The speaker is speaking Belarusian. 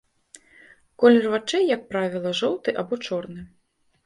Колер вачэй, як правіла, жоўты або чорны.